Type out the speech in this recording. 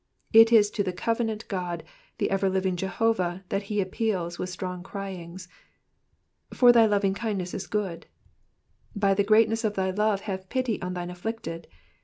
It is to the covenant God, the ever living Jehovah, that he appeals with strong cryings. '•''For thy lovingkindness is good,^^ By the greatness of thy love have pity upon thine afilicted.